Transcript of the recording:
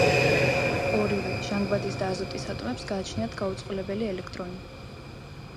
ორივე, ჟანგბადის და აზოტის ატომებს გააჩნიათ გაუწყვილებელი ელექტრონი.